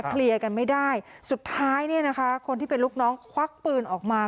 เคลียร์กันไม่ได้สุดท้ายเนี่ยนะคะคนที่เป็นลูกน้องควักปืนออกมา